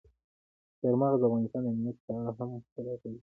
چار مغز د افغانستان د امنیت په اړه هم خپل اغېز لري.